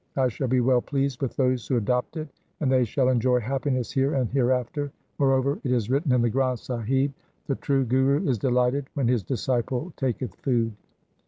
I shall be well pleased with those who adopt it, and they shall enjoy happiness here and hereafter. Moreover, it is written in the Granth Sahib :— The true Guru is delighted when his disciple taketh food.